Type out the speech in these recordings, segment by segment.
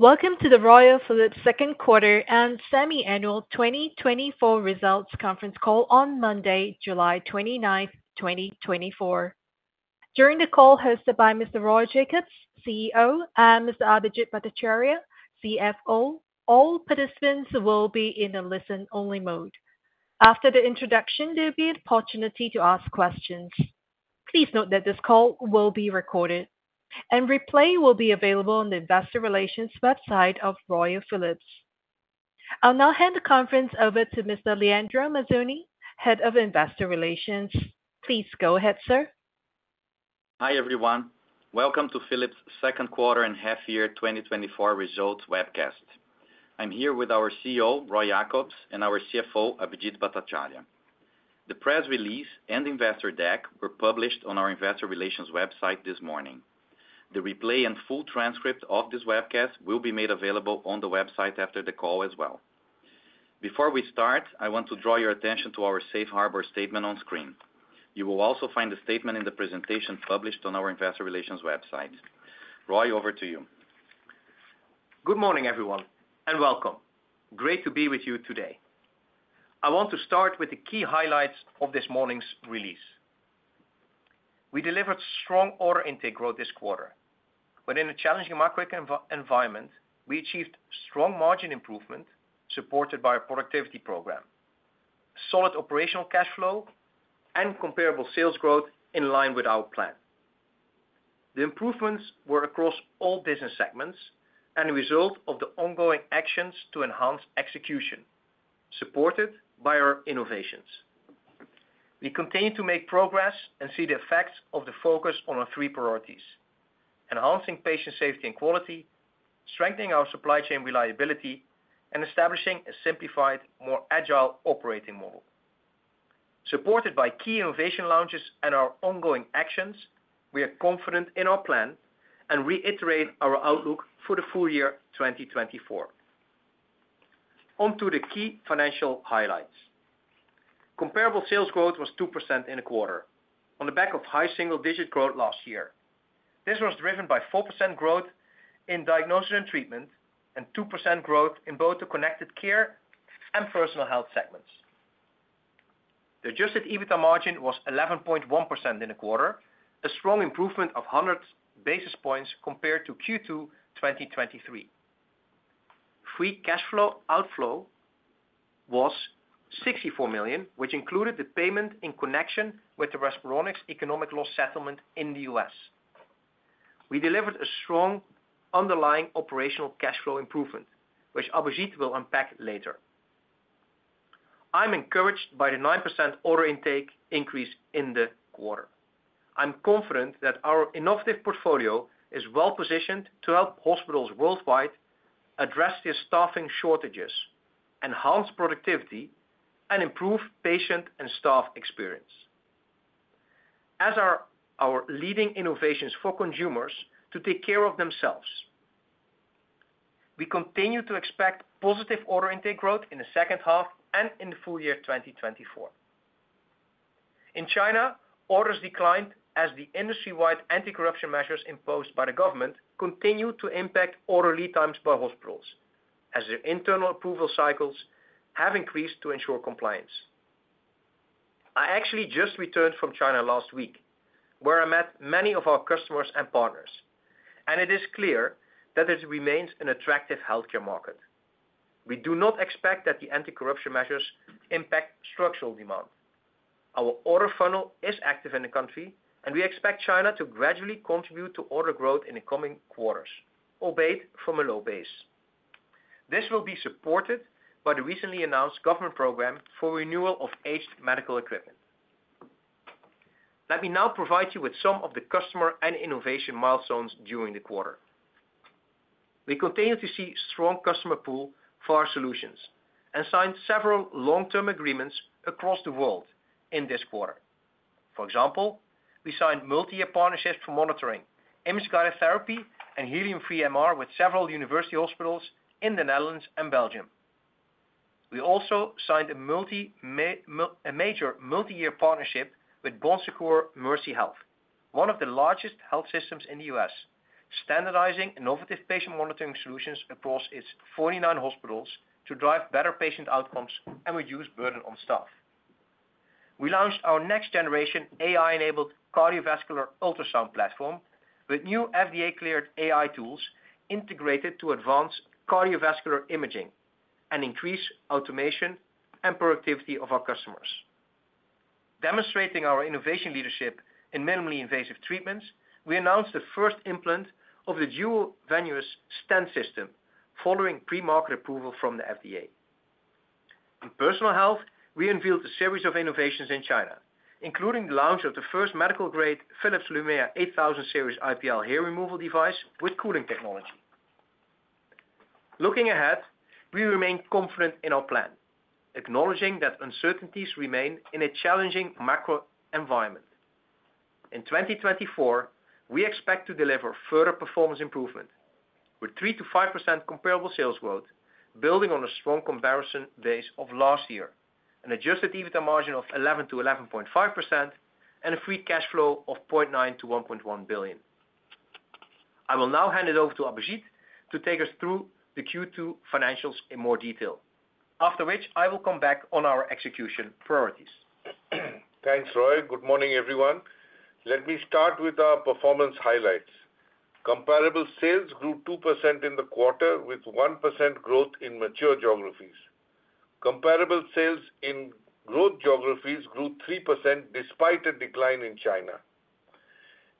Welcome to the Royal Philips Second Quarter and Semi-Annual 2024 Results Conference Call on Monday, July 29, 2024. During the call hosted by Mr. Roy Jakobs, CEO, and Mr. Abhijit Bhattacharya, CFO, all participants will be in a listen-only mode. After the introduction, there will be an opportunity to ask questions. Please note that this call will be recorded and replay will be available on the investor relations website of Royal Philips. I'll now hand the conference over to Mr. Leandro Mazzoni, Head of Investor Relations. Please go ahead, sir. Hi, everyone. Welcome to Philips second quarter and half year 2024 results webcast. I'm here with our CEO, Roy Jakobs, and our CFO, Abhijit Bhattacharya. The press release and investor deck were published on our investor relations website this morning. The replay and full transcript of this webcast will be made available on the website after the call as well. Before we start, I want to draw your attention to our safe harbor statement on screen. You will also find the statement in the presentation published on our investor relations website. Roy, over to you. Good morning, everyone, and welcome. Great to be with you today. I want to start with the key highlights of this morning's release. We delivered strong order intake growth this quarter, but in a challenging market environment, we achieved strong margin improvement, supported by a productivity program, solid operational cash flow, and comparable sales growth in line with our plan. The improvements were across all business segments and a result of the ongoing actions to enhance execution, supported by our innovations. We continue to make progress and see the effects of the focus on our three priorities: enhancing patient safety and quality, strengthening our supply chain reliability, and establishing a simplified, more agile operating model. Supported by key innovation launches and our ongoing actions, we are confident in our plan and reiterate our outlook for the full year 2024. On to the key financial highlights. Comparable sales growth was 2% in a quarter on the back of high single-digit growth last year. This was driven by 4% growth in Diagnosis & Treatment, and 2% growth in both the Connected Care and Personal Health segments. The adjusted EBITDA margin was 11.1% in the quarter, a strong improvement of 100 basis points compared to Q2 2023. Free cash flow outflow was 64 million, which included the payment in connection with the Respironics economic loss settlement in the U.S. We delivered a strong underlying operational cash flow improvement, which Abhijit will unpack later. I'm encouraged by the 9% order intake increase in the quarter. I'm confident that our innovative portfolio is well positioned to help hospitals worldwide address their staffing shortages, enhance productivity, and improve patient and staff experience, as are our leading innovations for consumers to take care of themselves. We continue to expect positive order intake growth in the second half and in the full year 2024. In China, orders declined as the industry-wide anti-corruption measures imposed by the government continued to impact order lead times by hospitals, as their internal approval cycles have increased to ensure compliance. I actually just returned from China last week, where I met many of our customers and partners, and it is clear that it remains an attractive healthcare market. We do not expect that the anti-corruption measures impact structural demand. Our order funnel is active in the country, and we expect China to gradually contribute to order growth in the coming quarters, albeit from a low base. This will be supported by the recently announced government program for renewal of aged medical equipment. Let me now provide you with some of the customer and innovation milestones during the quarter. We continue to see strong customer pull for our solutions and signed several long-term agreements across the world in this quarter. For example, we signed multi-year partnerships for Image Guided Therapy and helium-free MR with several university hospitals in the Netherlands and Belgium. We also signed a major multi-year partnership with Bon Secours Mercy Health, one of the largest Health Systems in the U.S., standardizing innovative patient monitoring solutions across its 49 hospitals to drive better patient outcomes and reduce burden on staff. We launched our next generation AI-enabled cardiovascular Ultrasound platform with new FDA-cleared AI tools integrated to advance cardiovascular imaging and increase automation and productivity of our customers. Demonstrating our innovation leadership in minimally invasive treatments, we announced the first implant of the Duo Venous Stent System following pre-market approval from the FDA. In Personal Health, we unveiled a series of innovations in China, including the launch of the first medical-grade Philips Lumea 8000 Series IPL hair removal device with cooling technology. Looking ahead, we remain confident in our plan, acknowledging that uncertainties remain in a challenging macro environment. In 2024, we expect to deliver further performance improvement, with 3%-5% comparable sales growth, building on a strong comparison base of last year, an adjusted EBITDA margin of 11%-11.5%, and a free cash flow of 0.9 billion-1.1 billion. I will now hand it over to Abhijit to take us through the Q2 financials in more detail, after which I will come back on our execution priorities. Thanks, Roy. Good morning, everyone. Let me start with our performance highlights. Comparable sales grew 2% in the quarter, with 1% growth in mature geographies. Comparable sales in growth geographies grew 3% despite a decline in China.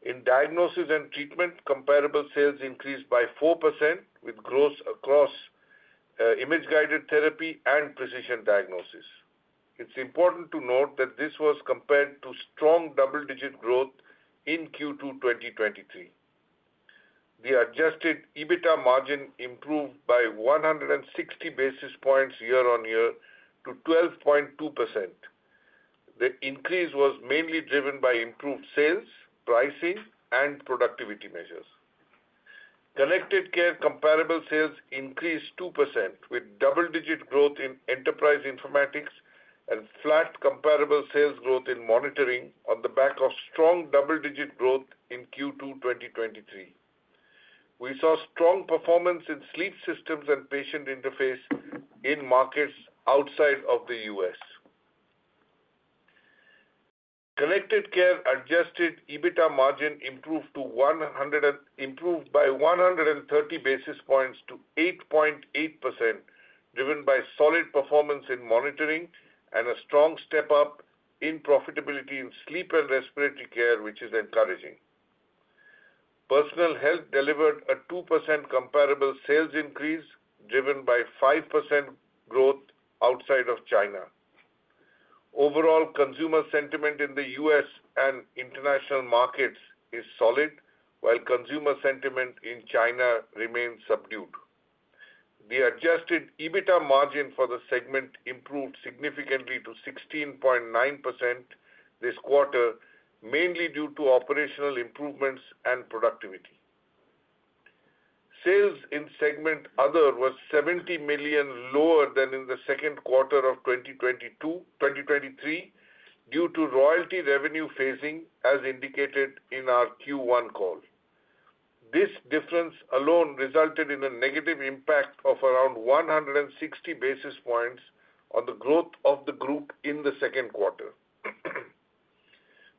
In Diagnosis & Treatment, comparable sales increased by 4%, with growth Image Guided Therapy and Precision Diagnosis. It's important to note that this was compared to strong double-digit growth in Q2 2023. The adjusted EBITDA margin improved by 160 basis points year-on-year to 12.2%. The increase was mainly driven by improved sales, pricing, and productivity measures. Connected Care comparable sales increased 2%, with double-digit growth in Enterprise Informatics and flat comparable sales growth in monitoring on the back of strong double-digit growth in Q2 2023. We saw strong performance in sleep systems and patient interface in markets outside of the US. Connected Care adjusted EBITDA margin improved by 130 basis points to 8.8%, driven by solid performance in monitoring and a strong step-up in profitability in Sleep & Respiratory Care, which is encouraging. Personal Health delivered a 2% comparable sales increase, driven by 5% growth outside of China. Overall, consumer sentiment in the U.S. and international markets is solid, while consumer sentiment in China remains subdued. The adjusted EBITDA margin for the segment improved significantly to 16.9% this quarter, mainly due to operational improvements and productivity. Sales in segment Other was 70 million lower than in the second quarter of 2022, 2023, due to royalty revenue phasing, as indicated in our Q1 call. This difference alone resulted in a negative impact of around 160 basis points on the growth of the group in the second quarter.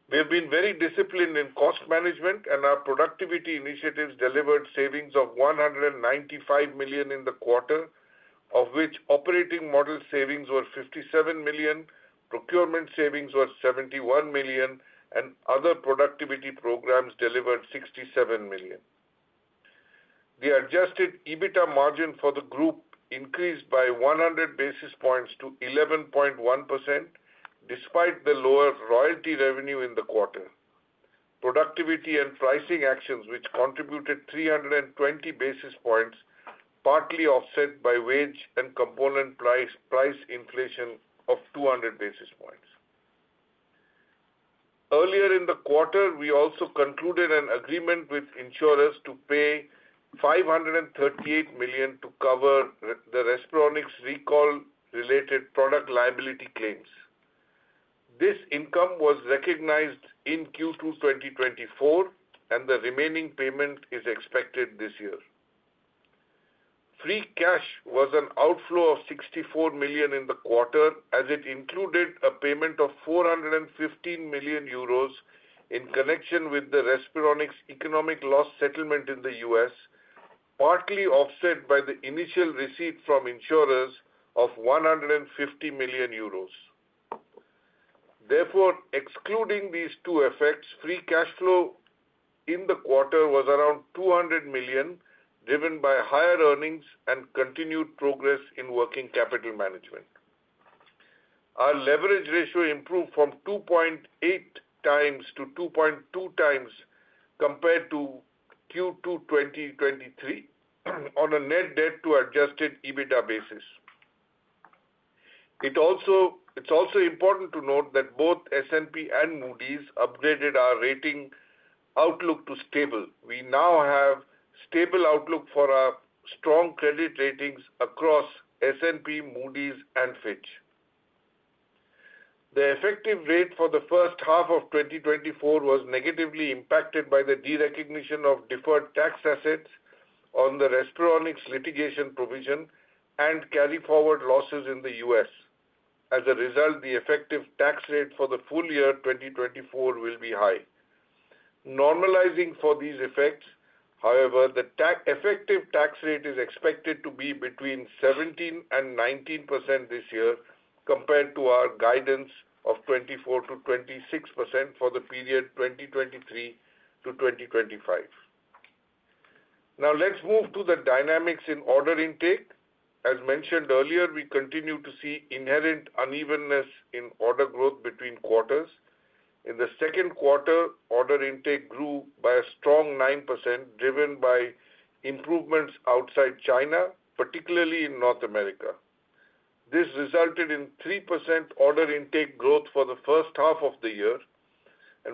We have been very disciplined in cost management, and our productivity initiatives delivered savings of 195 million in the quarter, of which operating model savings were 57 million, procurement savings were 71 million, and other productivity programs delivered 67 million. The adjusted EBITDA margin for the group increased by 100 basis points to 11.1%, despite the lower royalty revenue in the quarter. Productivity and pricing actions, which contributed 320 basis points, partly offset by wage and component price, price inflation of 200 basis points. Earlier in the quarter, we also concluded an agreement with insurers to pay 538 million to cover the Respironics recall-related product liability claims. This income was recognized in Q2 2024, and the remaining payment is expected this year. Free cash was an outflow of 64 million in the quarter, as it included a payment of 415 million euros in connection with the Respironics economic loss settlement in the U.S., partly offset by the initial receipt from insurers of 150 million euros. Therefore, excluding these two effects, free cash flow in the quarter was around 200 million, driven by higher earnings and continued progress in working capital management. Our leverage ratio improved from 2.8x to 2.2x compared to Q2 2023, on a net debt to adjusted EBITDA basis. It's also important to note that both S&P and Moody's upgraded our rating outlook to stable. We now have stable outlook for our strong credit ratings across S&P, Moody's, and Fitch. The effective rate for the first half of 2024 was negatively impacted by the derecognition of deferred tax assets on the Respironics litigation provision and carryforward losses in the U.S. As a result, the effective tax rate for the full year 2024 will be high. Normalizing for these effects, however, the tax-effective tax rate is expected to be between 17% and 19% this year, compared to our guidance of 24%-26% for the period 2023 to 2025. Now, let's move to the dynamics in order intake. As mentioned earlier, we continue to see inherent unevenness in order growth between quarters. In the second quarter, order intake grew by a strong 9%, driven by improvements outside China, particularly in North America. This resulted in 3% order intake growth for the first half of the year....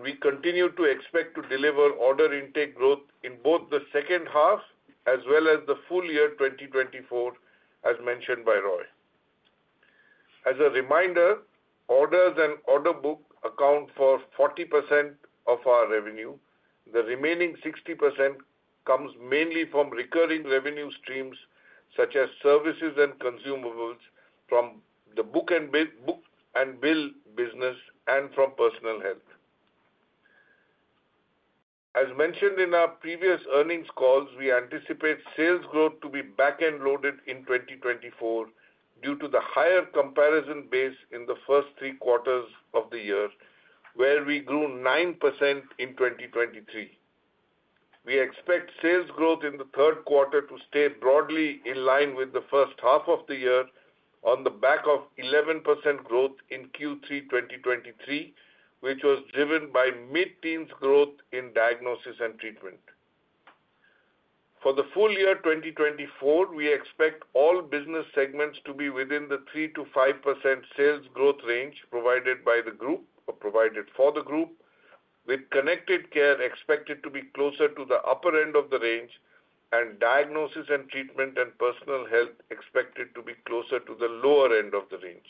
We continue to expect to deliver order intake growth in both the second half as well as the full year 2024, as mentioned by Roy. As a reminder, orders and order book account for 40% of our revenue. The remaining 60% comes mainly from recurring revenue streams, such as services and consumables from the book and bill, book and bill business, and from Personal Health. As mentioned in our previous earnings calls, we anticipate sales growth to be back-end loaded in 2024, due to the higher comparison base in the first three quarters of the year, where we grew 9% in 2023. We expect sales growth in the third quarter to stay broadly in line with the first half of the year, on the back of 11% growth in Q3 2023, which was driven by mid-teens growth in Diagnosis & Treatment. For the full year 2024, we expect all business segments to be within the 3%-5% sales growth range provided by the group or provided for the group, with Connected Care expected to be closer to the upper end of the range, and Diagnosis & Treatment and Personal Health expected to be closer to the lower end of the range.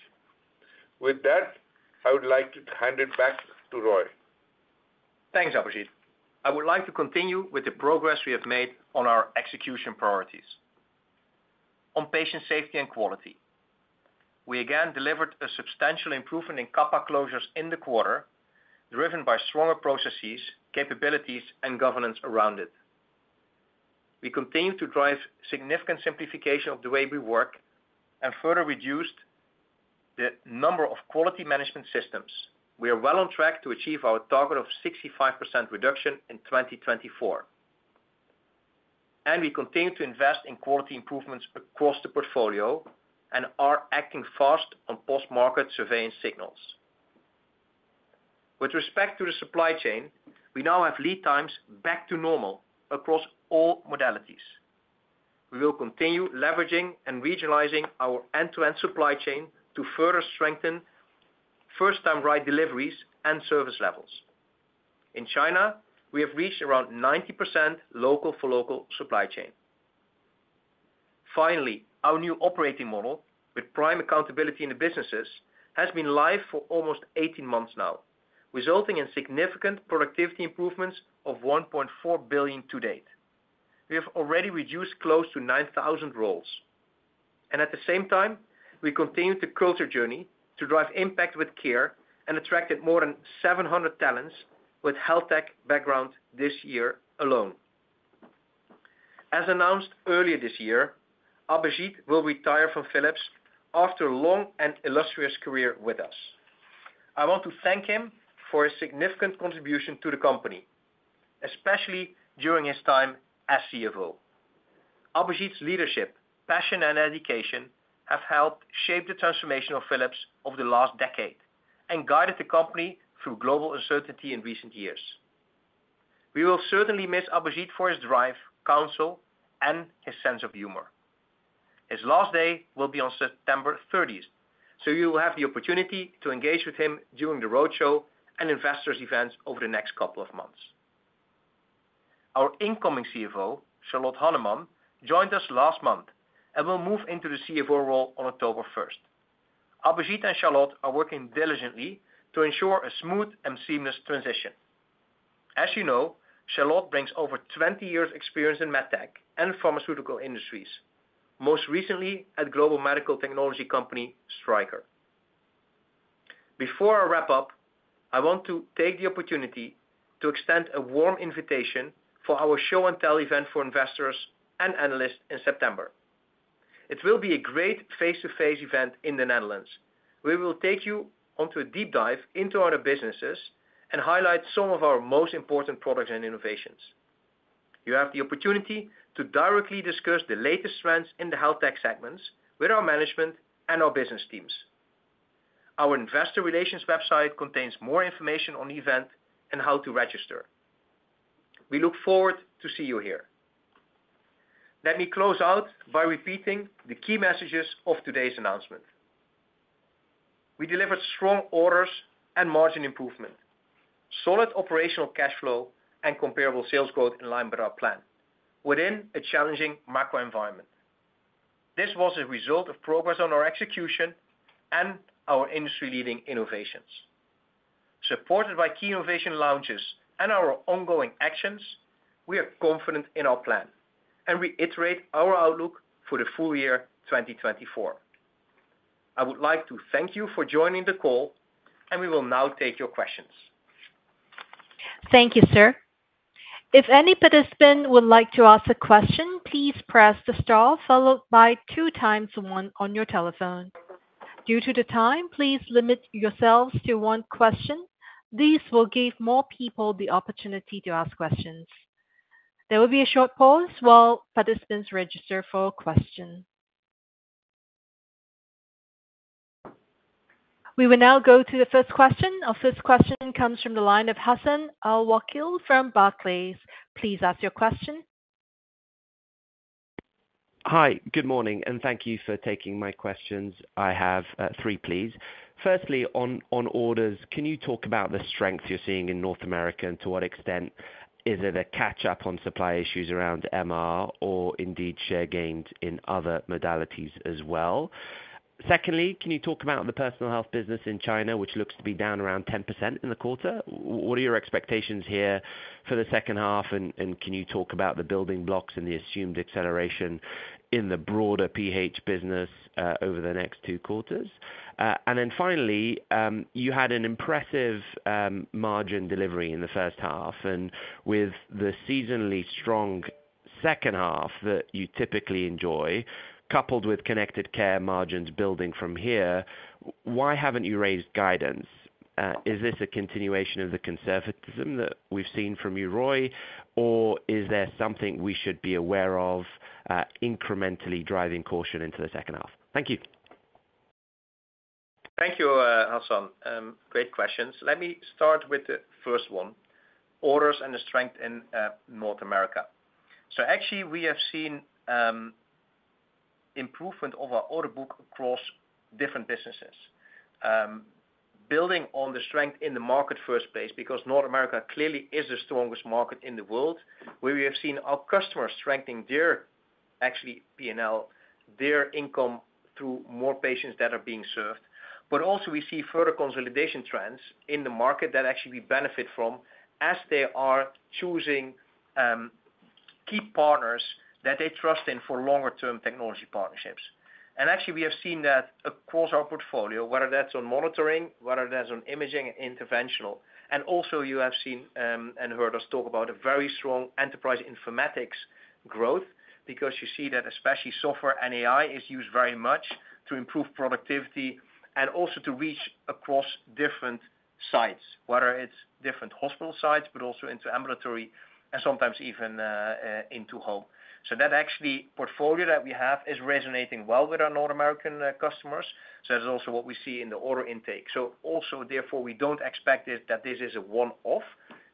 With that, I would like to hand it back to Roy. Thanks, Abhijit. I would like to continue with the progress we have made on our execution priorities. On patient safety and quality, we again delivered a substantial improvement in CAPA closures in the quarter, driven by stronger processes, capabilities, and governance around it. We continue to drive significant simplification of the way we work and further reduced the number of quality management systems. We are well on track to achieve our target of 65% reduction in 2024, and we continue to invest in quality improvements across the portfolio and are acting fast on post-market surveillance signals. With respect to the supply chain, we now have lead times back to normal across all modalities. We will continue leveraging and regionalizing our end-to-end supply chain to further strengthen first-time right deliveries and service levels. In China, we have reached around 90% local-for-local supply chain. Finally, our new operating model, with prime accountability in the businesses, has been live for almost 18 months now, resulting in significant productivity improvements of 1.4 billion to date. We have already reduced close to 9,000 roles. And at the same time, we continued the culture journey to drive impact with care and attracted more than 700 talents with health tech background this year alone. As announced earlier this year, Abhijit will retire from Philips after a long and illustrious career with us. I want to thank him for his significant contribution to the company, especially during his time as CFO. Abhijit's leadership, passion, and dedication have helped shape the transformation of Philips over the last decade and guided the company through global uncertainty in recent years. We will certainly miss Abhijit for his drive, counsel, and his sense of humor. His last day will be on September 30th, so you will have the opportunity to engage with him during the roadshow and investors events over the next couple of months. Our incoming CFO, Charlotte Hanneman, joined us last month and will move into the CFO role on October 1st. Abhijit and Charlotte are working diligently to ensure a smooth and seamless transition. As you know, Charlotte brings over 20 years' experience in med tech and pharmaceutical industries, most recently at global medical technology company, Stryker. Before I wrap up, I want to take the opportunity to extend a warm invitation for our show-and-tell event for investors and analysts in September. It will be a great face-to-face event in the Netherlands. We will take you onto a deep dive into our businesses and highlight some of our most important products and innovations. You have the opportunity to directly discuss the latest trends in the health tech segments with our management and our business teams. Our investor relations website contains more information on the event and how to register. We look forward to see you here. Let me close out by repeating the key messages of today's announcement. We delivered strong orders and margin improvement, solid operational cash flow, and comparable sales growth in line with our plan, within a challenging macro environment. This was a result of progress on our execution and our industry-leading innovations. Supported by key innovation launches and our ongoing actions, we are confident in our plan and reiterate our outlook for the full year 2024. I would like to thank you for joining the call, and we will now take your questions. Thank you, sir. If any participant would like to ask a question, please press the star followed by two times one on your telephone. Due to the time, please limit yourselves to one question. This will give more people the opportunity to ask questions. There will be a short pause while participants register for a question. We will now go to the first question. Our first question comes from the line of Hassan Al-Wakeel from Barclays. Please ask your question.... Hi, good morning, and thank you for taking my questions. I have three, please. Firstly, on orders, can you talk about the strength you're seeing in North America, and to what extent is it a catch-up on supply issues around MR or indeed share gains in other modalities as well? Secondly, can you talk about the Personal Health business in China, which looks to be down around 10% in the quarter? What are your expectations here for the second half, and can you talk about the building blocks and the assumed acceleration in the broader PH business over the next two quarters? And then finally, you had an impressive margin delivery in the first half, and with the seasonally strong second half that you typically enjoy, coupled with Connected Care margins building from here, why haven't you raised guidance? Is this a continuation of the conservatism that we've seen from you, Roy? Or is there something we should be aware of, incrementally driving caution into the second half? Thank you. Thank you, Hassan. Great questions. Let me start with the first one, orders and the strength in North America. So actually, we have seen improvement of our order book across different businesses. Building on the strength in the market first place, because North America clearly is the strongest market in the world, where we have seen our customers strengthening their actual P&L, their income through more patients that are being served. But also we see further consolidation trends in the market that actually we benefit from as they are choosing key partners that they trust in for longer term technology partnerships. And actually, we have seen that across our portfolio, whether that's on monitoring, whether that's on imaging, interventional. And also you have seen, and heard us talk about a very strong Enterprise Informatics growth, because you see that especially software and AI is used very much to improve productivity and also to reach across different sites, whether it's different hospital sites, but also into ambulatory and sometimes even into home. So that actually portfolio that we have is resonating well with our North American customers, so that's also what we see in the order intake. So also, therefore, we don't expect it, that this is a one-off.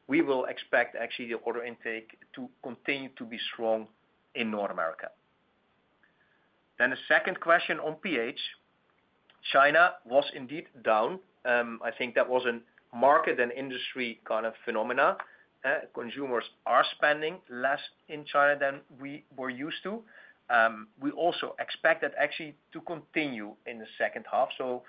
We will expect actually the order intake to continue to be strong in North America. Then the second question on PH, China was indeed down. I think that was a market and industry kind of phenomena. Consumers are spending less in China than we were used to. We also expect that actually to continue in the second half. So,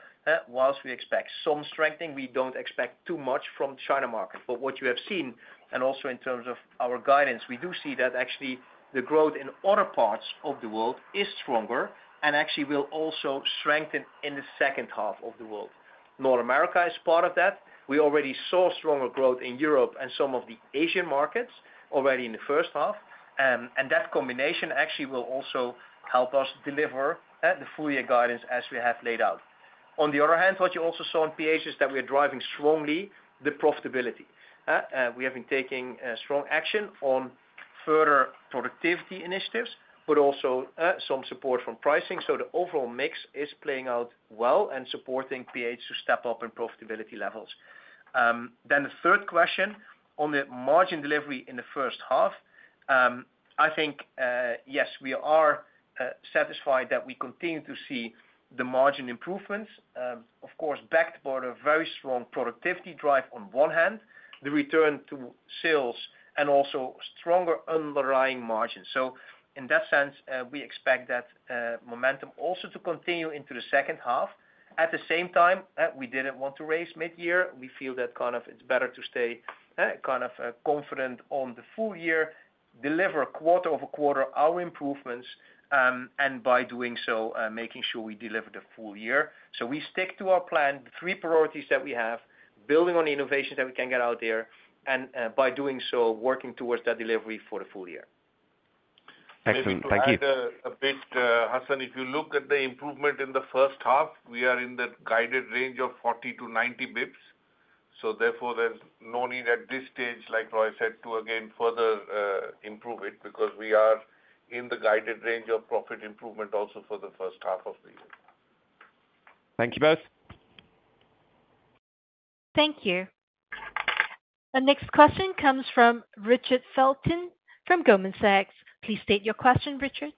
whilst we expect some strengthening, we don't expect too much from China market. But what you have seen, and also in terms of our guidance, we do see that actually the growth in other parts of the world is stronger and actually will also strengthen in the second half of the world. North America is part of that. We already saw stronger growth in Europe and some of the Asian markets already in the first half. And that combination actually will also help us deliver the full year guidance as we have laid out. On the other hand, what you also saw in PH is that we are driving strongly the profitability. We have been taking strong action on further productivity initiatives, but also some support from pricing. So the overall mix is playing out well and supporting PH to step up in profitability levels. Then the third question on the margin delivery in the first half, I think, yes, we are satisfied that we continue to see the margin improvements. Of course, backed by the very strong productivity drive on one hand, the return to sales, and also stronger underlying margins. So in that sense, we expect that momentum also to continue into the second half. At the same time, we didn't want to raise mid-year. We feel that kind of it's better to stay kind of confident on the full year, deliver quarter over quarter our improvements, and by doing so, making sure we deliver the full year. So we stick to our plan, the three priorities that we have, building on the innovations that we can get out there, and by doing so, working towards that delivery for the full year. Excellent, thank you. A bit, Hassan, if you look at the improvement in the first half, we are in the guided range of 40-90 basis points. So therefore, there's no need at this stage, like Roy said, to again further improve it, because we are in the guided range of profit improvement also for the first half of the year. Thank you both. Thank you. The next question comes from Richard Felton from Goldman Sachs. Please state your question, Richard.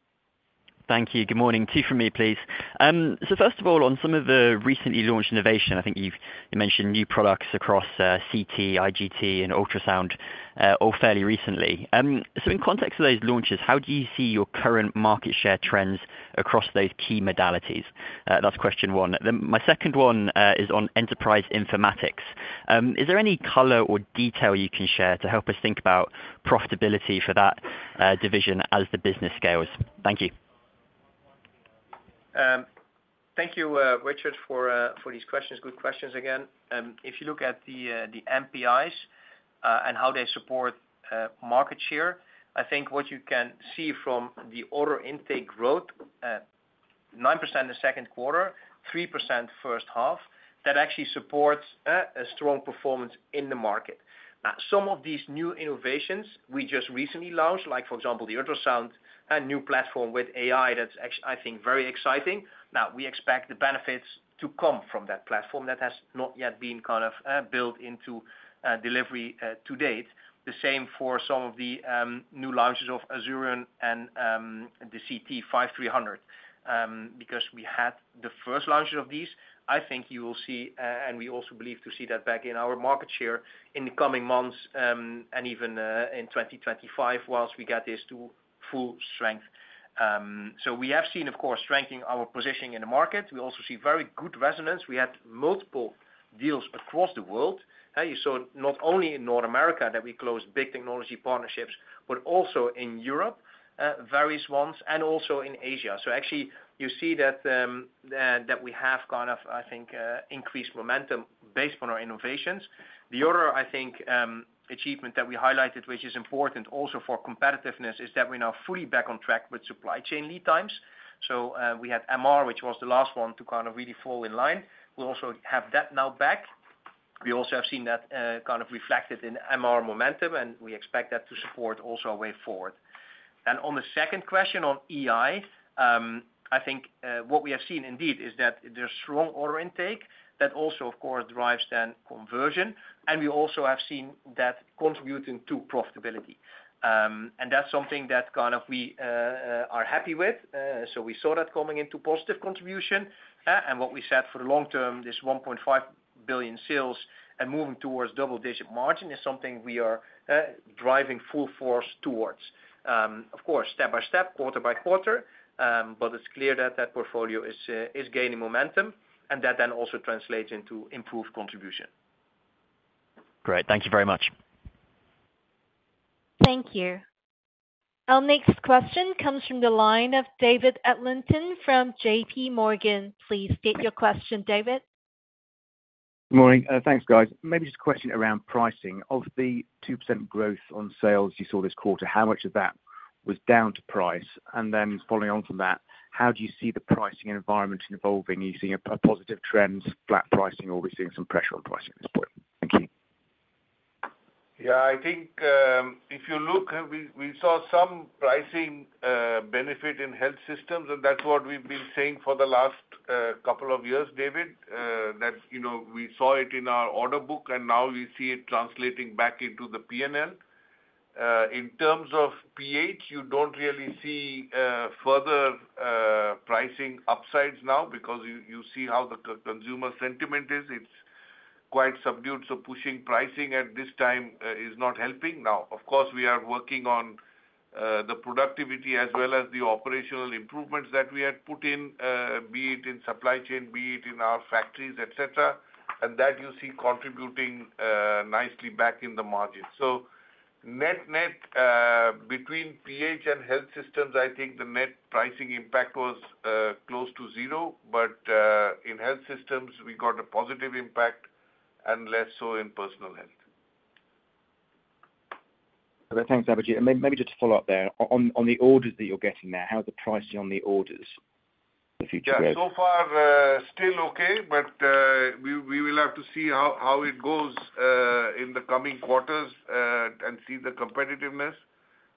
Thank you. Good morning. Two from me, please. So first of all, on some of the recently launched innovation, I think you've mentioned new products across, CT, IGT, and Ultrasound, all fairly recently. So in context of those launches, how do you see your current market share trends across those key modalities? That's question one. Then my second one is on Enterprise Informatics. Is there any color or detail you can share to help us think about profitability for that division as the business scales? Thank you. Thank you, Richard, for these questions. Good questions again. If you look at the NPIs and how they support market share, I think what you can see from the order intake growth 9% the second quarter, 3% first half, that actually supports a strong performance in the market. Now, some of these new innovations we just recently launched, like, for example, the Ultrasound and new platform with AI, that's, I think, very exciting. Now, we expect the benefits to come from that platform that has not yet been kind of built into delivery to date. The same for some of the new launches of Azurion and the CT 5300. Because we had the first launch of these, I think you will see, and we also believe to see that back in our market share in the coming months, and even in 2025, whilst we get this to full strength. So we have seen, of course, strengthening our positioning in the market. We also see very good resonance. We had multiple deals across the world. And you saw not only in North America, that we closed big technology partnerships, but also in Europe, various ones, and also in Asia. So actually, you see that, that we have kind of, I think, increased momentum based on our innovations. The other, I think, achievement that we highlighted, which is important also for competitiveness, is that we're now fully back on track with supply chain lead times. So, we had MR, which was the last one to kind of really fall in line. We also have that now back. We also have seen that, kind of reflected in MR momentum, and we expect that to support also our way forward. And on the second question on EI, I think, what we have seen indeed, is that there's strong order intake that also, of course, drives then conversion, and we also have seen that contributing to profitability. And that's something that kind of we are happy with. So we saw that coming into positive contribution, and what we said for the long term, this 1.5 billion sales and moving towards double-digit margin, is something we are driving full force towards. Of course, step by step, quarter by quarter, but it's clear that that portfolio is gaining momentum, and that then also translates into improved contribution. Great. Thank you very much. Thank you. Our next question comes from the line of David Adlington from J.P. Morgan. Please state your question, David. Morning. Thanks, guys. Maybe just a question around pricing. Of the 2% growth on sales you saw this quarter, how much of that was down to price? And then following on from that, how do you see the pricing environment evolving? Are you seeing a positive trends, flat pricing, or we're seeing some pressure on pricing at this point? Thank you. Yeah, I think, if you look, we saw some pricing benefit in Health Systems, and that's what we've been saying for the last couple of years, David. That, you know, we saw it in our order book, and now we see it translating back into the PNL. In terms of PH, you don't really see further pricing upsides now, because you see how the consumer sentiment is. It's quite subdued, so pushing pricing at this time is not helping. Now, of course, we are working on the productivity as well as the operational improvements that we had put in, be it in supply chain, be it in our factories, et cetera, and that you see contributing nicely back in the margin. So net, net, between PH and Health Systems, I think the net pricing impact was close to zero, but in Health Systems, we got a positive impact and less so in Personal Health. Thanks, Abhijit. And maybe just to follow up there, on the orders that you're getting now, how is the pricing on the orders for future growth? Yeah, so far, still okay, but we will have to see how it goes in the coming quarters and see the competitiveness.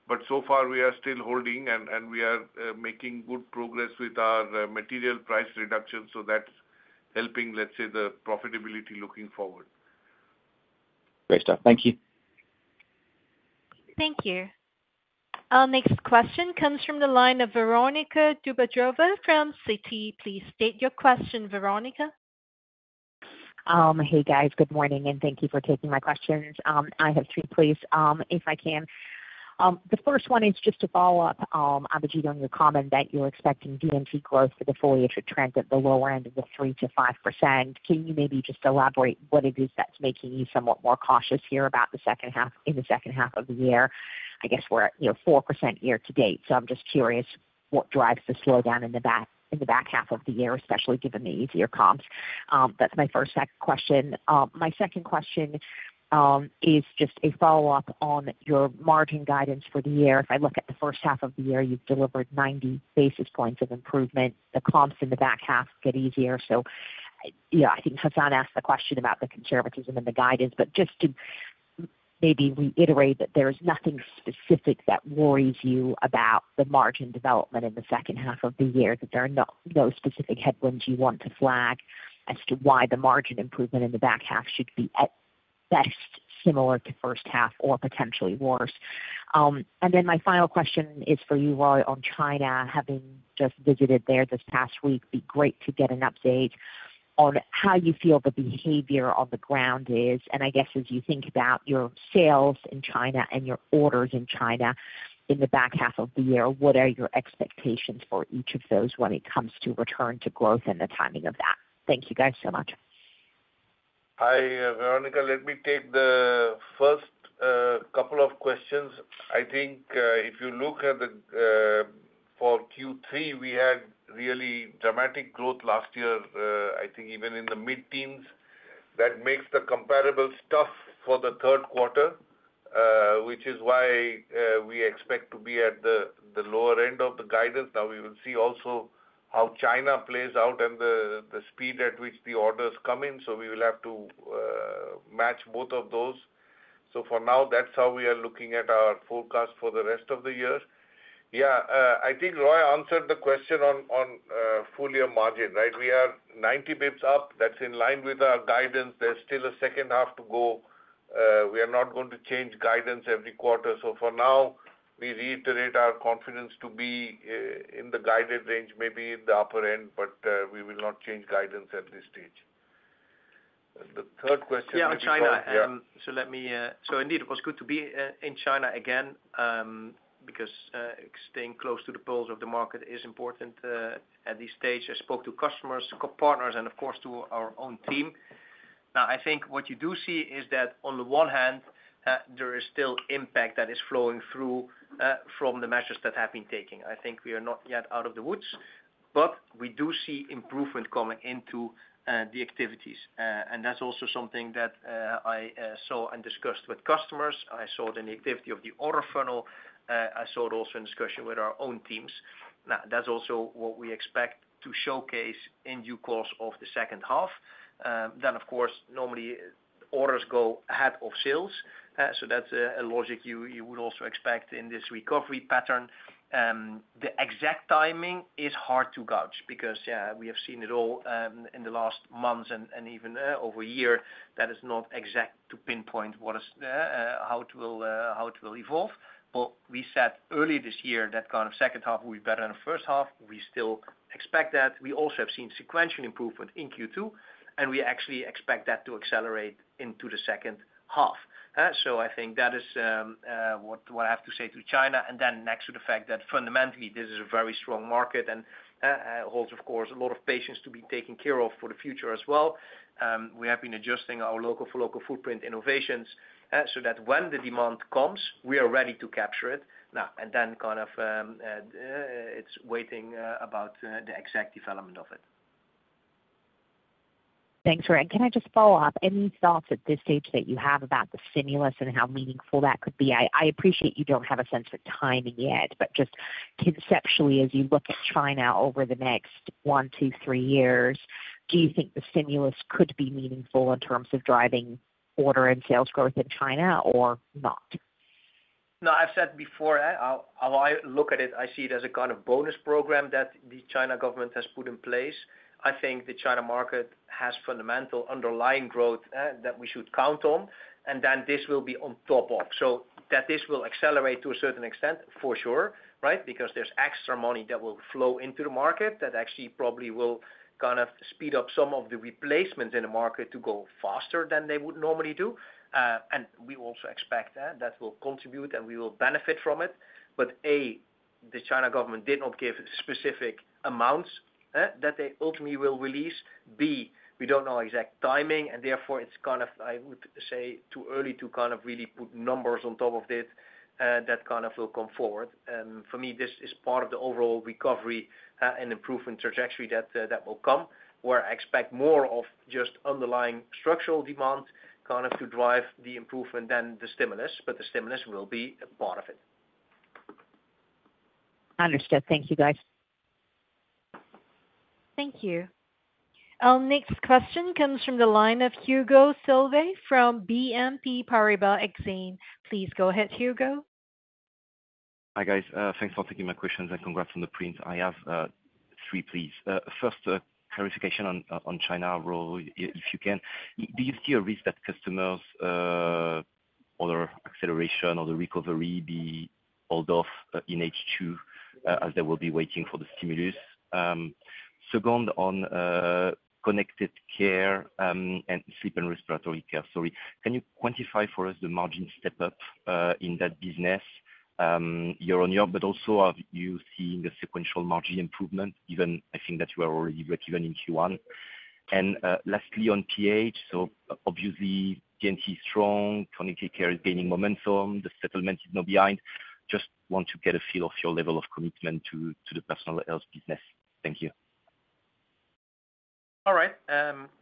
But so far, we are still holding and we are making good progress with our material price reduction, so that's helping, let's say, the profitability looking forward. Great stuff. Thank you. Thank you. Our next question comes from the line of Veronika Dubajova from Citi. Please state your question, Veronika. Hey, guys. Good morning, and thank you for taking my questions. I have three, please, if I can. The first one is just to follow up, Abhijit, on your comment that you're expecting D&T growth for the full year to trend at the lower end of the 3%-5%. Can you maybe just elaborate what it is that's making you somewhat more cautious here about the second half, in the second half of the year? I guess we're at, you know, 4% year-to-date, so I'm just curious what drives the slowdown in the back, in the back half of the year, especially given the easier comps. That's my first question. My second question is just a follow-up on your margin guidance for the year. If I look at the first half of the year, you've delivered 90 basis points of improvement. The comps in the back half get easier, so, yeah, I think Hassan asked the question about the conservatism and the guidance, but just to maybe reiterate that there is nothing specific that worries you about the margin development in the second half of the year, that there are no, no specific headwinds you want to flag as to why the margin improvement in the back half should be at best similar to first half or potentially worse. And then my final question is for you, Roy, on China, having just visited there this past week. be great to get an update on how you feel the behavior on the ground is, and I guess as you think about your sales in China and your orders in China in the back half of the year, what are your expectations for each of those when it comes to return to growth and the timing of that? Thank you, guys, so much. Hi, Veronica. Let me take the first couple of questions. I think if you look at for Q3, we had really dramatic growth last year. I think even in the mid-teens. That makes the comparable stuff for the third quarter, which is why we expect to be at the lower end of the guidance. Now, we will see also how China plays out and the speed at which the orders come in, so we will have to match both of those. So for now, that's how we are looking at our forecast for the rest of the year. Yeah, I think Roy answered the question on full year margin, right? We are 90 basis points up. That's in line with our guidance. There's still a second half to go. We are not going to change guidance every quarter. So for now, we reiterate our confidence to be in the guided range, maybe in the upper end, but we will not change guidance at this stage. The third question- Yeah, China. Yeah. So let me. So indeed, it was good to be in China again, because staying close to the pulse of the market is important at this stage. I spoke to customers, co-partners, and of course, to our own team. Now, I think what you do see is that on the one hand, there is still impact that is flowing through from the measures that have been taken. I think we are not yet out of the woods, but we do see improvement coming into the activities. And that's also something that I saw and discussed with customers. I saw it in the activity of the order funnel. I saw it also in discussion with our own teams. Now, that's also what we expect to showcase in due course of the second half. Then, of course, normally orders go ahead of sales, so that's a logic you would also expect in this recovery pattern. The exact timing is hard to gauge because, yeah, we have seen it all in the last months and even over a year. That is not exact to pinpoint what is how it will evolve. But we said early this year that kind of second half will be better than the first half. We still expect that. We also have seen sequential improvement in Q2, and we actually expect that to accelerate into the second half. So I think that is what I have to say to China, and then next to the fact that fundamentally, this is a very strong market, and holds, of course, a lot of patients to be taken care of for the future as well. We have been adjusting our local-for-local footprint innovations, so that when the demand comes, we are ready to capture it now, and then kind of, it's waiting about the exact development of it. Thanks, Roy. Can I just follow up? Any thoughts at this stage that you have about the stimulus and how meaningful that could be? I appreciate you don't have a sense of timing yet, but just conceptually, as you look at China over the next one to three years, do you think the stimulus could be meaningful in terms of driving order and sales growth in China or not? No, I've said before, how, how I look at it, I see it as a kind of bonus program that the China government has put in place. I think the China market has fundamental underlying growth, that we should count on, and then this will be on top of. So that this will accelerate to a certain extent, for sure, right? Because there's extra money that will flow into the market that actually probably will kind of speed up some of the replacements in the market to go faster than they would normally do. And we also expect, that will contribute, and we will benefit from it. But, A, the China government did not give specific amounts, that they ultimately will release. B, we don't know exact timing, and therefore, it's kind of, I would say, too early to kind of really put numbers on top of this, that kind of will come forward. For me, this is part of the overall recovery, and improvement trajectory that will come, where I expect more of just underlying structural demand kind of to drive the improvement than the stimulus, but the stimulus will be a part of it. Understood. Thank you, guys. Thank you. Our next question comes from the line of Hugo Solvet from BNP Paribas Exane. Please go ahead, Hugo. Hi, guys. Thanks for taking my questions, and congrats on the print. I have three, please. First, clarification on China, Roy, if you can. Do you see a risk that customers order acceleration or the recovery be held off in H2 as they will be waiting for the stimulus? Second, on Connected Care and Sleep & Respiratory Care, sorry, can you quantify for us the margin step up in that business year on year, but also, are you seeing a sequential margin improvement even I think that you are already even in Q1? Lastly, on PH, so obviously, D&T is strong, chronic care is gaining momentum, the settlement is now behind. Just want to get a feel of your level of commitment to the Personal Health business. Thank you. All right.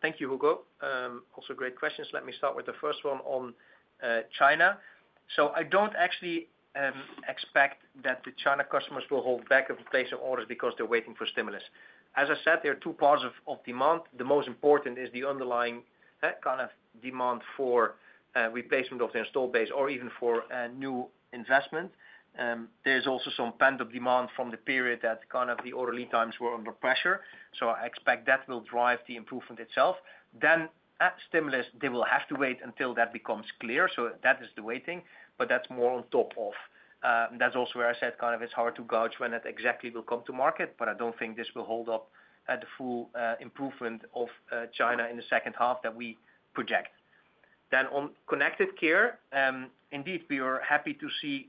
Thank you, Hugo. Also great questions. Let me start with the first one on, China. So I don't actually expect that the China customers will hold back in place of orders because they're waiting for stimulus. As I said, there are two parts of, of demand. The most important is the underlying, kind of demand for, replacement of the install base or even for a new investment. There's also some pent-up demand from the period that kind of the order lead times were under pressure. So I expect that will drive the improvement itself. Then, stimulus, they will have to wait until that becomes clear, so that is the waiting, but that's more on top of. That's also where I said kind of it's hard to gauge when that exactly will come to market, but I don't think this will hold up the full improvement of China in the second half that we project. Then on Connected Care, indeed, we are happy to see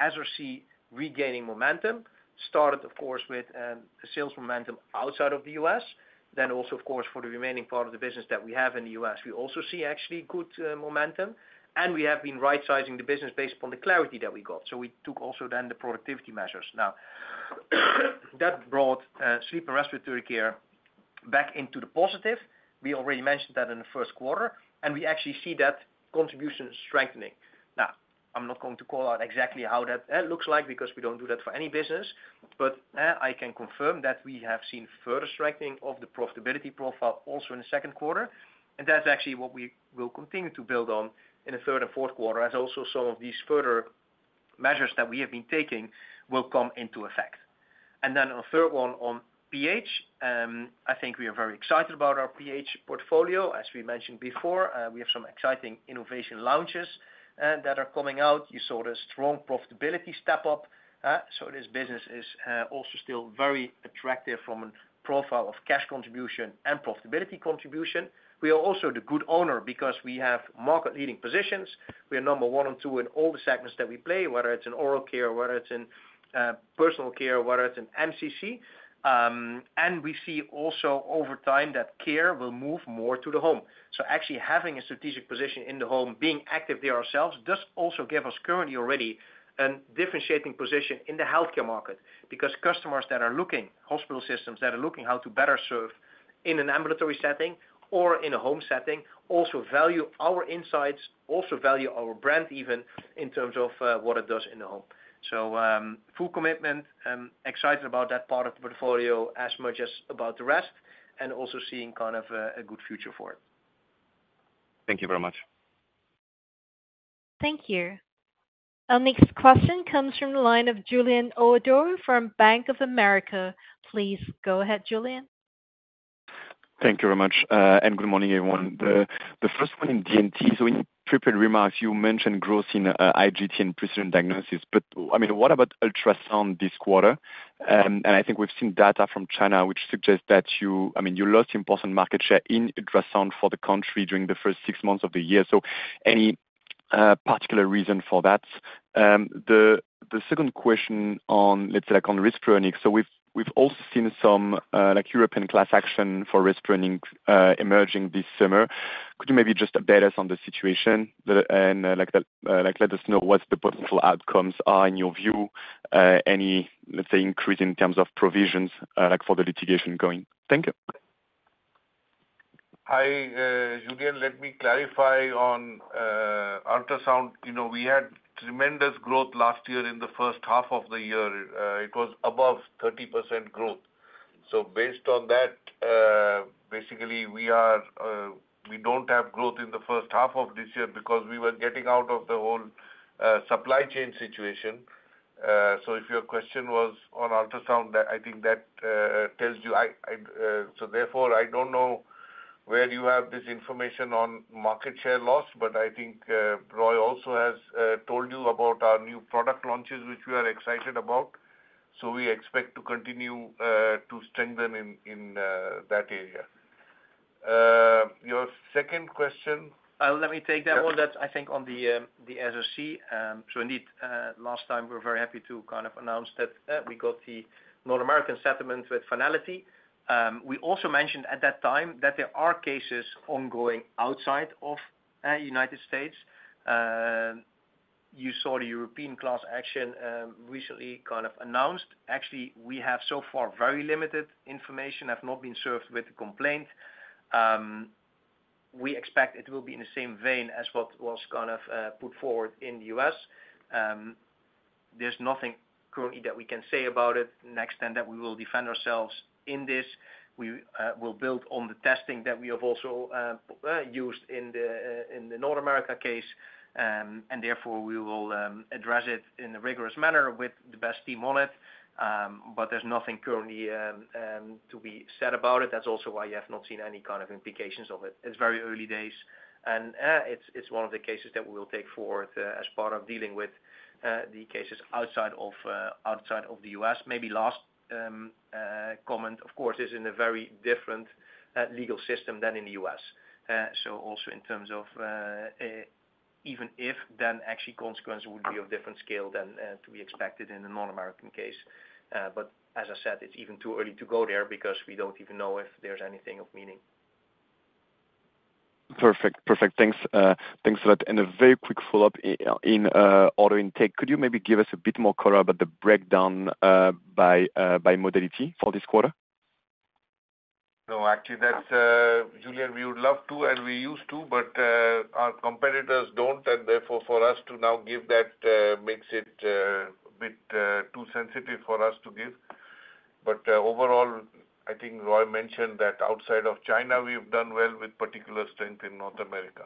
SRC regaining momentum. Started, of course, with a sales momentum outside of the U.S. Then also, of course, for the remaining part of the business that we have in the U.S., we also see actually good momentum, and we have been rightsizing the business based upon the clarity that we got. So we took also then the productivity measures. Now, that brought Sleep & Respiratory Care back into the positive. We already mentioned that in the first quarter, and we actually see that contribution strengthening. Now, I'm not going to call out exactly how that looks like, because we don't do that for any business. But I can confirm that we have seen further strengthening of the profitability profile also in the second quarter, and that's actually what we will continue to build on in the third and fourth quarter, as also some of these further measures that we have been taking will come into effect. And then on a third one, on PH, I think we are very excited about our PH portfolio. As we mentioned before, we have some exciting innovation launches that are coming out. You saw the strong profitability step up, so this business is also still very attractive from a profile of cash contribution and profitability contribution. We are also the good owner because we have market-leading positions. We are number one and two in all the segments that we play, whether it's in oral care, whether it's in personal care, whether it's in MCC. And we see also over time that care will move more to the home. So actually having a strategic position in the home, being active there ourselves, does also give us currently already a differentiating position in the healthcare market. Because customers that are looking, hospital systems that are looking how to better serve in an ambulatory setting or in a home setting, also value our insights, also value our brand even, in terms of what it does in the home. So full commitment, excited about that part of the portfolio as much as about the rest, and also seeing kind of a good future for it. Thank you very much. Thank you. Our next question comes from the line of Julien Ouaddour from Bank of America. Please go ahead, Julien. Thank you very much, and good morning, everyone. The first one in D&T, so in your prepared remarks, you mentioned growth in IGT and Precision Diagnosis. But, I mean, what about Ultrasound this quarter? And I think we've seen data from China which suggests that you, I mean, you lost important market share in Ultrasound for the country during the first six months of the year. So, any particular reason for that? The second question on, let's say, like, on Respironics. So we've also seen some, like, European class action for Respironics emerging this summer. Could you maybe just update us on the situation, the and, like, let us know what the potential outcomes are in your view? Any, let's say, increase in terms of provisions, like, for the litigation going? Thank you. Hi, Julien, let me clarify on Ultrasound. You know, we had tremendous growth last year in the first half of the year. It was above 30% growth. So based on that, basically we are, we don't have growth in the first half of this year, because we were getting out of the whole supply chain situation. So if your question was on Ultrasound, then I think that tells you. So therefore, I don't know where you have this information on market share loss, but I think Roy also has told you about our new product launches, which we are excited about. So we expect to continue to strengthen in that area. Your second question? Let me take that one. That, I think, on the SRC. So indeed, last time we were very happy to kind of announce that we got the North American settlement with finality. We also mentioned at that time that there are cases ongoing outside of United States. You saw the European class action recently kind of announced. Actually, we have so far very limited information, have not been served with a complaint. We expect it will be in the same vein as what was kind of put forward in the US. There's nothing currently that we can say about it, and extend that we will defend ourselves in this. We will build on the testing that we have also used in the North America case. And therefore, we will address it in a rigorous manner with the best team on it. But there's nothing currently to be said about it. That's also why you have not seen any kind of implications of it. It's very early days, and it's one of the cases that we will take forward as part of dealing with the cases outside of the US. Maybe last comment, of course, is in a very different legal system than in the U.S. So also in terms of even if then actually consequences would be of different scale than to be expected in the North American case. But as I said, it's even too early to go there, because we don't even know if there's anything of meaning. Perfect. Perfect. Thanks, thanks a lot. And a very quick follow-up in order intake. Could you maybe give us a bit more color about the breakdown by modality for this quarter? No, actually, that's, Julien, we would love to, and we used to, but, our competitors don't, and therefore, for us to now give that, makes it, a bit, too sensitive for us to give. But, overall, I think Roy mentioned that outside of China, we've done well with particular strength in North America.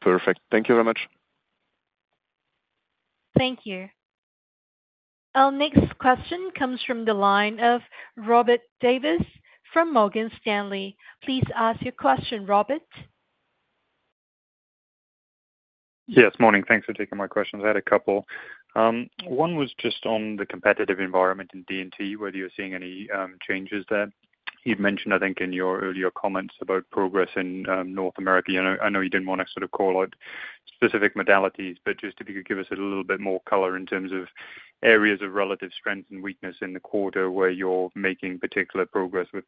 Perfect. Thank you very much. Thank you. Our next question comes from the line of Robert Davies from Morgan Stanley. Please ask your question, Robert. Yes, morning. Thanks for taking my questions. I had a couple. One was just on the competitive environment in D&T, whether you're seeing any changes there. You'd mentioned, I think, in your earlier comments about progress in North America. I know, I know you didn't want to sort of call out specific modalities, but just if you could give us a little bit more color in terms of areas of relative strength and weakness in the quarter, where you're making particular progress with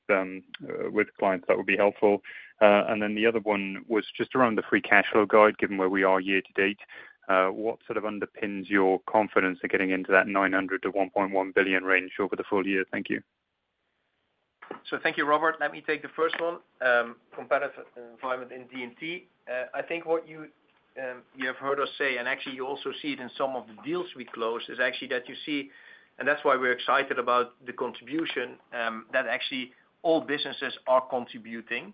clients, that would be helpful. And then the other one was just around the free cash flow guide, given where we are year-to-date, what sort of underpins your confidence in getting into that 900 million-1.1 billion range over the full year? Thank you.... So thank you, Robert. Let me take the first one. Competitive environment in D&T. I think what you, you have heard us say, and actually you also see it in some of the deals we closed, is actually that you see, and that's why we're excited about the contribution, that actually all businesses are contributing,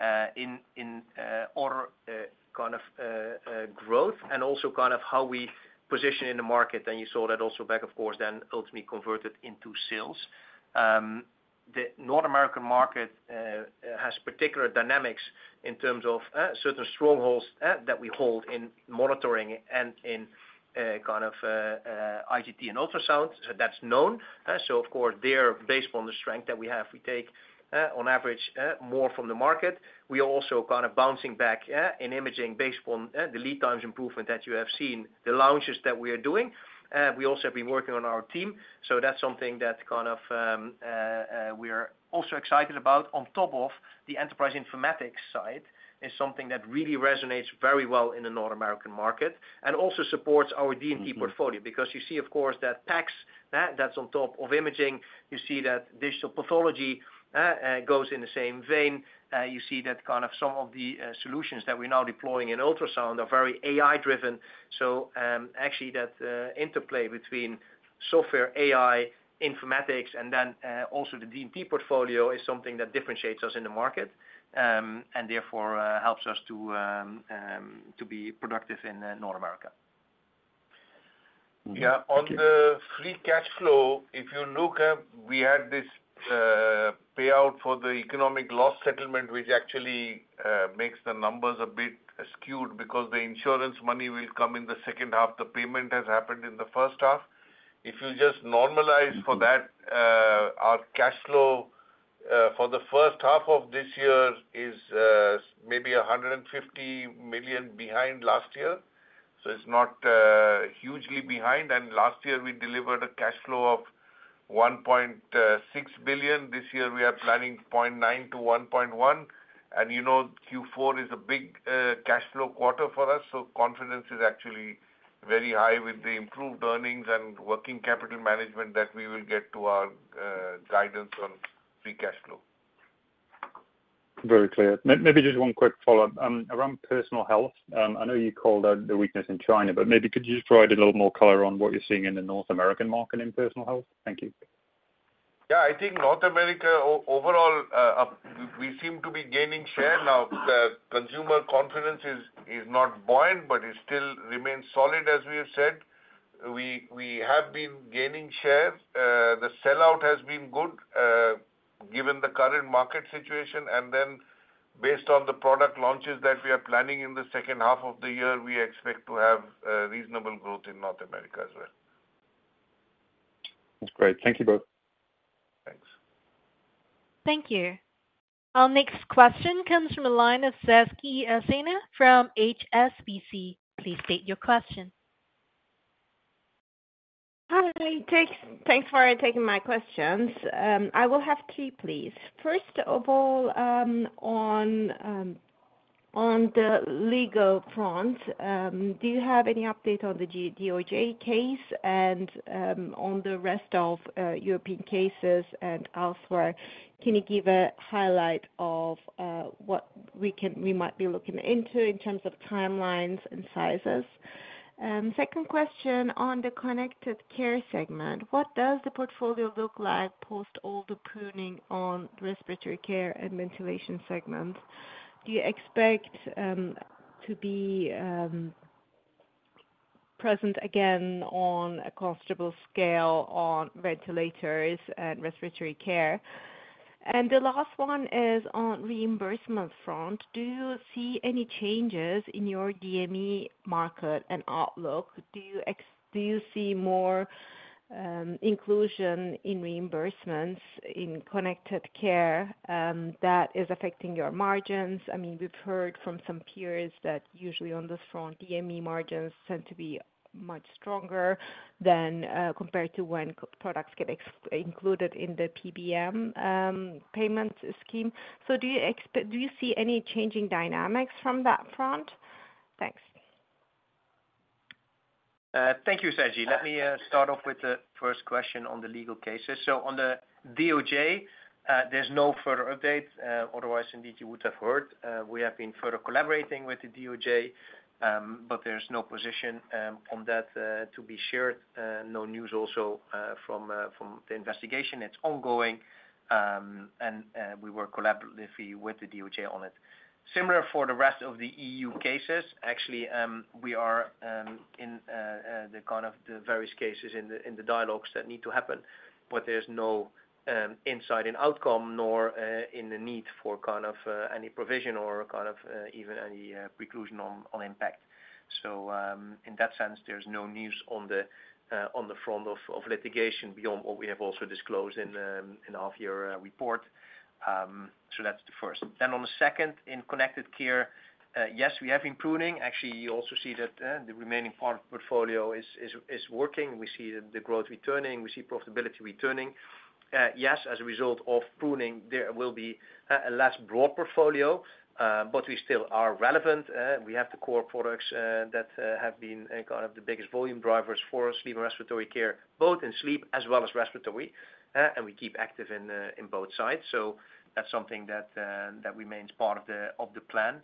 in, in, order kind of growth, and also kind of how we position in the market. And you saw that also back, of course, then ultimately converted into sales. The North American market has particular dynamics in terms of, certain strongholds that we hold in monitoring and in, kind of, IGT and Ultrasound, so that's known. So of course, there, based on the strength that we have, we take, on average, more from the market. We are also kind of bouncing back, in imaging based on, the lead times improvement that you have seen, the launches that we are doing. We also have been working on our team, so that's something that kind of, we are also excited about. On top of the Enterprise Informatics side, is something that really resonates very well in the North American market and also supports our D&T portfolio. Because you see, of course, that PACS, that's on top of imaging. You see that digital pathology, goes in the same vein. You see that kind of some of the, solutions that we're now deploying in Ultrasound are very AI driven. So, actually, that interplay between software, AI, informatics, and then also the D&T portfolio is something that differentiates us in the market, and therefore helps us to be productive in North America. Yeah. On the free cash flow, if you look, we had this payout for the economic loss settlement, which actually makes the numbers a bit skewed because the insurance money will come in the second half, the payment has happened in the first half. If you just normalize for that, our cash flow for the first half of this year is maybe 150 million behind last year, so it's not hugely behind. And last year, we delivered a cash flow of 1.6 billion. This year, we are planning 0.9 billion-1.1 billion. And, you know, Q4 is a big cash flow quarter for us, so confidence is actually very high with the improved earnings and working capital management that we will get to our guidance on free cash flow. Very clear. Maybe just one quick follow-up. Around Personal Health, I know you called out the weakness in China, but maybe could you just provide a little more color on what you're seeing in the North American market in Personal Health? Thank you. Yeah, I think North America overall, we seem to be gaining share now. The consumer confidence is not buoyant, but it still remains solid, as we have said. We have been gaining share. The sell-out has been good, given the current market situation, and then based on the product launches that we are planning in the second half of the year, we expect to have reasonable growth in North America as well. That's great. Thank you both. Thanks. Thank you. Our next question comes from the line of Sezgi Özener from HSBC. Please state your question. Hi, thanks, thanks for taking my questions. I will have three, please. First of all, on the legal front, do you have any update on the DOJ case and on the rest of European cases and elsewhere? Can you give a highlight of what we can, we might be looking into in terms of timelines and sizes? Second question, on the Connected Care segment, what does the portfolio look like post all the pruning on respiratory care and ventilation segment? Do you expect to be present again on a considerable scale on ventilators and respiratory care? And the last one is on reimbursement front: Do you see any changes in your DME market and outlook? Do you see more inclusion in reimbursements in Connected Care that is affecting your margins? I mean, we've heard from some peers that usually on this front, DME margins tend to be much stronger than compared to when products get included in the PBM payment scheme. So do you see any changing dynamics from that front? Thanks. Thank you, Sezgi. Let me start off with the first question on the legal cases. So on the DOJ, there's no further update. Otherwise, indeed, you would have heard. We have been further collaborating with the DOJ, but there's no position on that to be shared. No news also from the investigation. It's ongoing, and we work collaboratively with the DOJ on it. Similar for the rest of the EU cases. Actually, we are in the kind of the various cases in the dialogues that need to happen, but there's no insight in outcome nor in the need for kind of any provision or kind of even any preclusion on impact. So, in that sense, there's no news on the front of litigation beyond what we have also disclosed in the half-year report. So that's the first. Then on the second, in Connected Care, yes, we have been pruning. Actually, you also see that the remaining part of portfolio is working. We see the growth returning, we see profitability returning. Yes, as a result of pruning, there will be a less broad portfolio, but we still are relevant. We have the core products that have been kind of the biggest volume drivers for Sleep & Respiratory Care, both in sleep as well as respiratory. And we keep active in both sides. So that's something that remains part of the plan.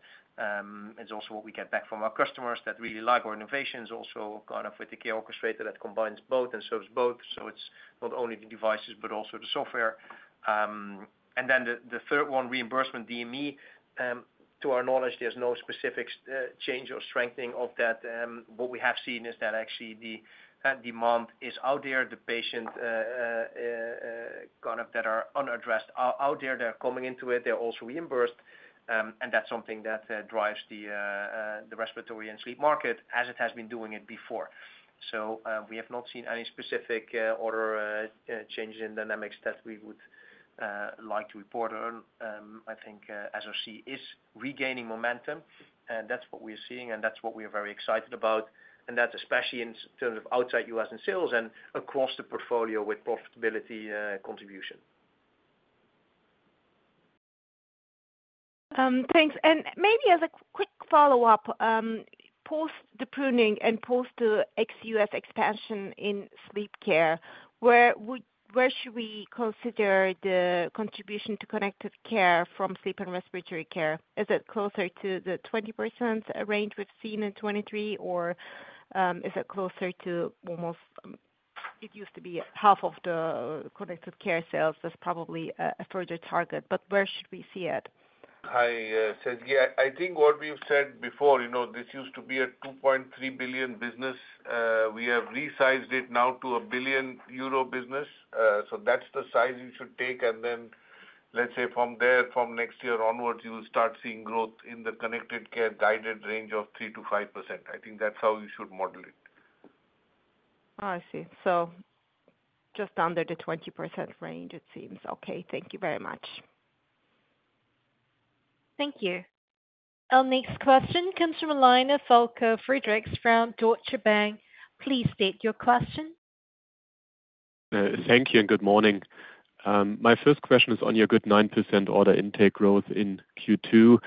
It's also what we get back from our customers that really like our innovations, also, kind of with the Care Orchestrator that combines both and serves both. So it's not only the devices but also the software. And then the third one, reimbursement DME. To our knowledge, there's no specific change or strengthening of that. What we have seen is that actually the demand is out there. The patient kind of that are unaddressed are out there. They're coming into it. They're also reimbursed, and that's something that drives the respiratory and sleep market as it has been doing it before. So, we have not seen any specific order change in dynamics that we would like to report on. I think, SRC is regaining momentum, and that's what we're seeing, and that's what we are very excited about. And that's especially in terms of outside U.S. and sales and across the portfolio with profitability, contribution. Thanks. And maybe as a quick follow-up, post the pruning and post the ex-U.S. expansion in sleep care, where would—where should we consider the contribution to Connected Care from Sleep & Respiratory Care? Is it closer to the 20% range we've seen in 2023, or, is it closer to almost, it used to be half of the Connected Care sales? That's probably a further target, but where should we see it? Hi, Sezgi. Yeah, I think what we've said before, you know, this used to be a 2.3 billion business. We have resized it now to a 1 billion euro business. So that's the size you should take. And then, let's say from there, from next year onwards, you will start seeing growth in the Connected Care guided range of 3%-5%. I think that's how you should model it. I see. So just under the 20% range, it seems. Okay, thank you very much. Thank you. Our next question comes from the line of Falko Friedrichs from Deutsche Bank. Please state your question. Thank you, and good morning. My first question is on your good 9% order intake growth in Q2.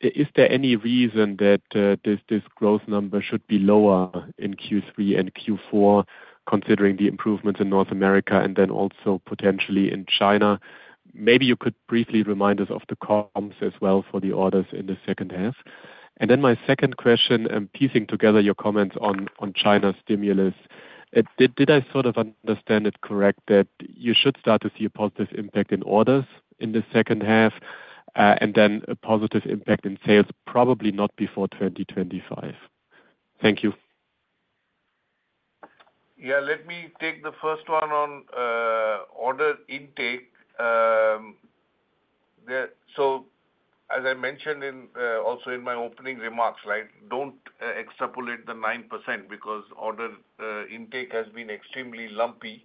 Is there any reason that this growth number should be lower in Q3 and Q4, considering the improvements in North America and then also potentially in China? Maybe you could briefly remind us of the comps as well for the orders in the second half. And then my second question, I'm piecing together your comments on China's stimulus. Did I sort of understand it correct, that you should start to see a positive impact in orders in the second half, and then a positive impact in sales, probably not before 2025? Thank you. Yeah, let me take the first one on order intake. So as I mentioned in also in my opening remarks, right, don't extrapolate the 9% because order intake has been extremely lumpy.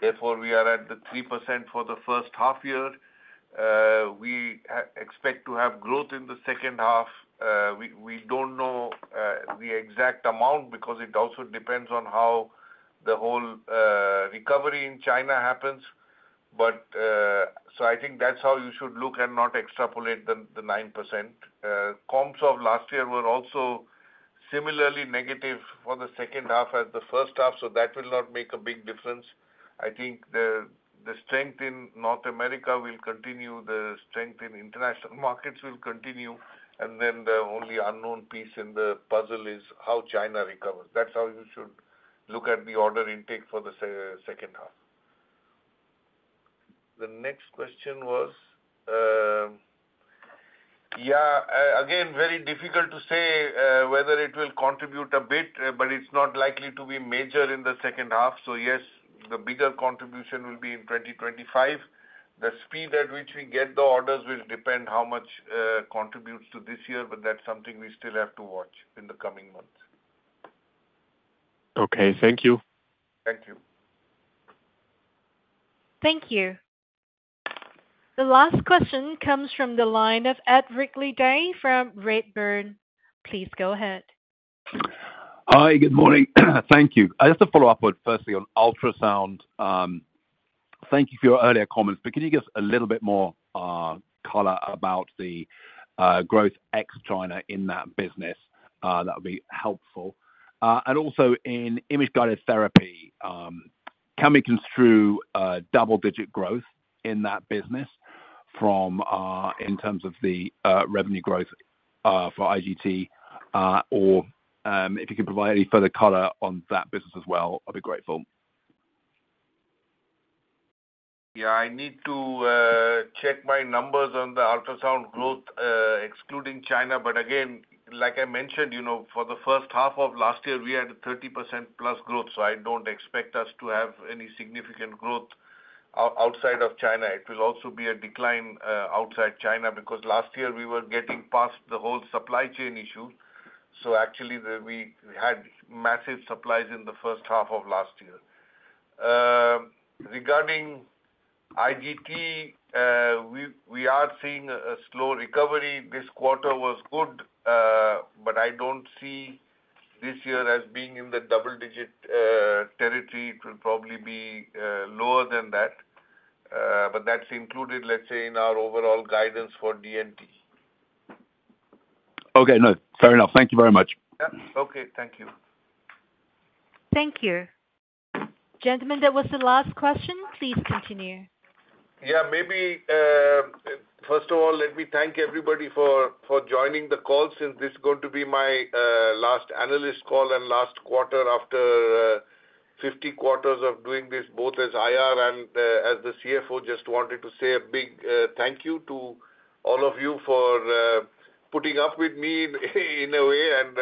Therefore, we are at the 3% for the first half year. We expect to have growth in the second half. We don't know the exact amount because it also depends on how the whole recovery in China happens. But so I think that's how you should look and not extrapolate the 9%. Comps of last year were also similarly negative for the second half as the first half, so that will not make a big difference. I think the strength in North America will continue, the strength in international markets will continue, and then the only unknown piece in the puzzle is how China recovers. That's how you should look at the order intake for the second half. The next question was again, very difficult to say whether it will contribute a bit, but it's not likely to be major in the second half. So yes, the bigger contribution will be in 2025. The speed at which we get the orders will depend how much contributes to this year, but that's something we still have to watch in the coming months. Okay, thank you. Thank you. Thank you. The last question comes from the line of Ed Ridley-Day from Redburn. Please go ahead. Hi, good morning. Thank you. Just to follow up with firstly on Ultrasound, thank you for your earlier comments, but can you give us a little bit more color about the growth ex China in that business? That would be helpful. And also Image Guided Therapy, can we construe a double-digit growth in that business from in terms of the revenue growth for IGT, or if you could provide any further color on that business as well, I'd be grateful. Yeah, I need to check my numbers on the Ultrasound growth, excluding China. But again, like I mentioned, you know, for the first half of last year, we had a 30%+ growth, so I don't expect us to have any significant growth outside of China. It will also be a decline outside China, because last year we were getting past the whole supply chain issue. So actually, we had massive supplies in the first half of last year. Regarding IGT, we are seeing a slow recovery. This quarter was good, but I don't see this year as being in the double-digit territory. It will probably be lower than that. But that's included, let's say, in our overall guidance for D&T. Okay. No, fair enough. Thank you very much. Yeah. Okay, thank you. Thank you. Gentlemen, that was the last question. Please continue. Yeah, maybe first of all, let me thank everybody for joining the call, since this is going to be my last analyst call and last quarter after 50 quarters of doing this, both as IR and as the CFO. Just wanted to say a big thank you to all of you for putting up with me, in a way. And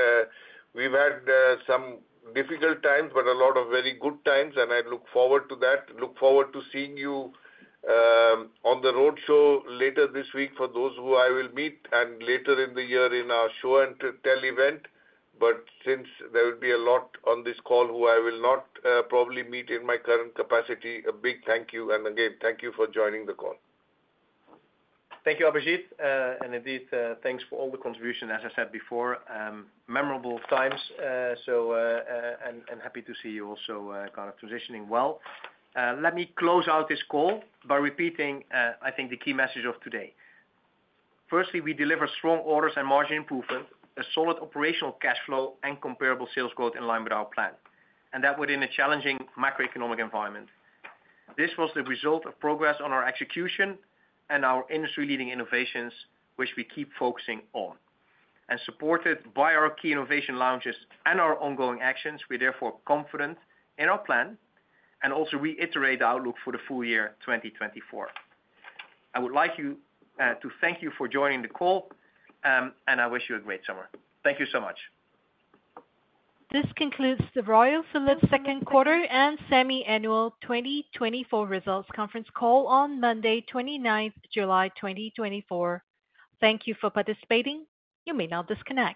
we've had some difficult times, but a lot of very good times, and I look forward to that. Look forward to seeing you on the roadshow later this week for those who I will meet, and later in the year in our show and tell event. But since there will be a lot on this call who I will not probably meet in my current capacity, a big thank you. And again, thank you for joining the call. Thank you, Abhijit. And indeed, thanks for all the contribution. As I said before, memorable times, and happy to see you also, kind of transitioning well. Let me close out this call by repeating, I think the key message of today. Firstly, we deliver strong orders and margin improvement, a solid operational cash flow, and comparable sales growth in line with our plan, and that within a challenging macroeconomic environment. This was the result of progress on our execution and our industry-leading innovations, which we keep focusing on. And supported by our key innovation launches and our ongoing actions, we are therefore confident in our plan, and also reiterate the outlook for the full year 2024. I would like you to thank you for joining the call, and I wish you a great summer. Thank you so much. This concludes the Royal Philips second quarter and semi-annual 2024 results conference call on Monday, 29th July, 2024. Thank you for participating. You may now disconnect.